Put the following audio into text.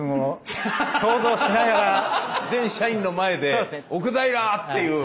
全社員の前で「奥平！」っていう。